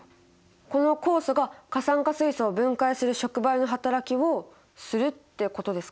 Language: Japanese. この酵素が過酸化水素を分解する触媒のはたらきをするってことですか？